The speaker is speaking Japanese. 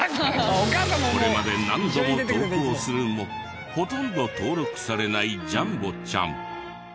これまで何度も投稿するもほとんど登録されないじゃんぼちゃん。